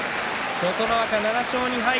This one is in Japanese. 琴ノ若、７勝２敗。